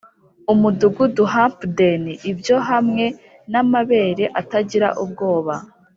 umudugudu-hampden, ibyo hamwe namabere atagira ubwoba